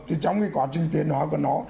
thì trong cái quá trình tiền hóa của nó